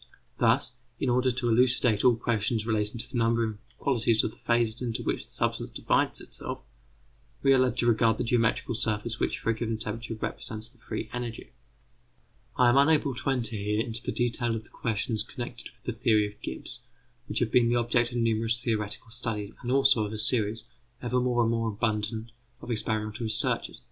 Thus, in order to elucidate all questions relating to the number and qualities of the phases into which the substance divides itself, we are led to regard the geometrical surface which for a given temperature represents the free energy. I am unable to enter here into the detail of the questions connected with the theories of Gibbs, which have been the object of numerous theoretical studies, and also of a series, ever more and more abundant, of experimental researches. M.